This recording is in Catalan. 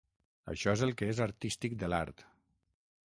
Això és el que és artístic de l'art.